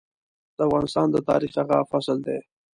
د افغانستان د تاريخ هغه فصل دی.